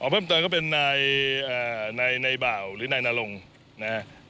อ๋อเพิ่มต่อก็เป็นนายนายนายเบาหรือนายนารงนะฮะ